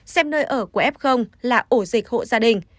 xem nơi ở của f là ổ dịch hộ gia đình